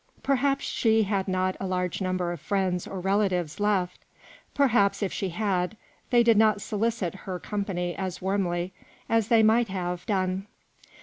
Perhaps she had not a large number of friends or relatives left; perhaps, if she had, they did not solicit her company as warmly as they might have MADAME DE CHANTELOUP. done.